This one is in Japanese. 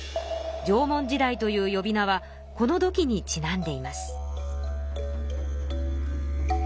縄文時代というよび名はこの土器にちなんでいます。